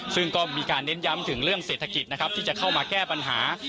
ซึ่งก็มีการเน้นย้ำถึงเรื่องเศรษฐกิจนะครับที่จะเข้ามาแก้ปัญหา